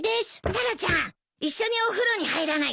タラちゃん一緒にお風呂に入らないか？